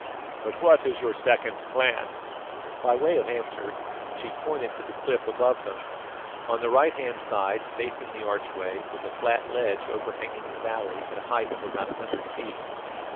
But what is your second plan?" By way of answer, she pointed to the cliff above them. On the right hand side, facing the archway, was a flat ledge overhanging the valley, at a height of about a hundred feet.